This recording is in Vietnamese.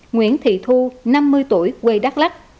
nguyễn thị thu năm mươi tuổi quê đắk lắc